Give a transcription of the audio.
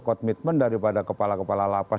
komitmen daripada kepala kepala lapas